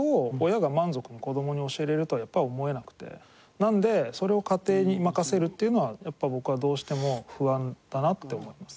なのでそれを家庭に任せるっていうのはやっぱり僕はどうしても不安だなって思います。